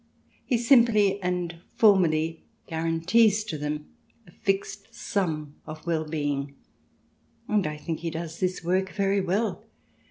He simply and formally guarantees to them a fixed sum of well being, and I think he does his work very well.